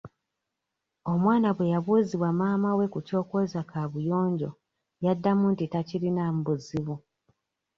Omwana bwe yabuuzibwa maama we ku ky'okwoza kaabuyonjo yaddamu nti takirinaamu buzibu.